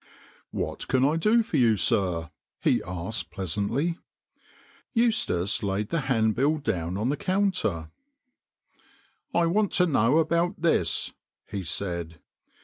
" What can I do for you, sir ?" he asked pleasantly. 176 THE COFFIN MERCHANT Eustace laid the handbill down on the counter. " I want to know about this," he said.